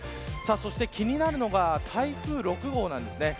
そして気になるのが台風６号なんですね。